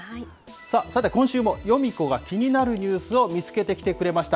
さて今週もヨミ子が気になるニュースを見つけてきてくれました。